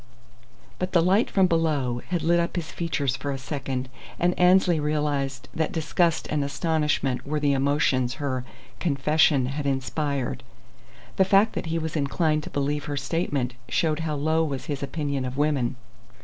But the light from below had lit up his features for a second; and Annesley realized that disgust and astonishment were the emotions her "confession" had inspired. The fact that he was inclined to believe her statement showed how low was his opinion of women.